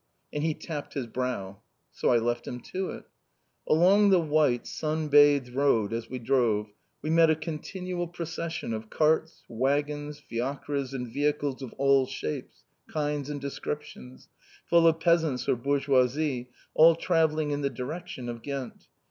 And he tapped his brow. So I left him to it! Along the white sun bathed road, as we drove, we met a continual procession of carts, waggons, fiacres, and vehicles of all shapes, kinds, and descriptions, full of peasants or bourgeoisie, all travelling in the direction of Ghent.